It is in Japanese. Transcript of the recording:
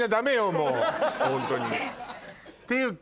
もうホントに。っていうか